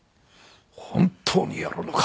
「本当にやるのか？」